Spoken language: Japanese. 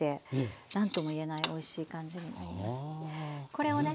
これをね